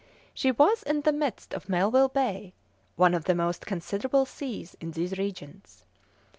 She was in the midst of Melville Bay, one of the most considerable seas in these regions.